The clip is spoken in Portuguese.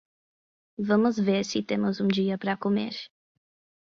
Vamos ver se temos um dia para comer.